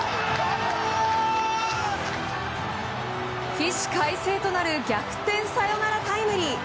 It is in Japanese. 起死回生となる逆転サヨナラタイムリー！